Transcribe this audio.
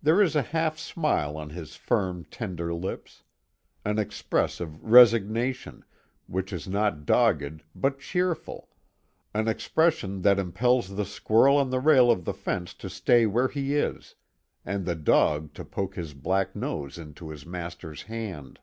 There is a half smile on his firm, tender lips; an expression of resignation, which is not dogged but cheerful; an expression that impels the squirrel on the rail of the fence to stay where he is, and the dog to poke his black nose into his master's hand.